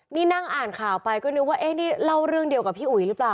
นี่นั่งอ่านข่าวไปก็นึกว่าเอ๊ะนี่เล่าเรื่องเดียวกับพี่อุ๋ยหรือเปล่า